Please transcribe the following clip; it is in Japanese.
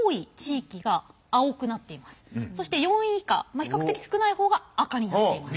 そして４位以下比較的少ない方が赤になっています。